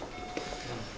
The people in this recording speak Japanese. うん。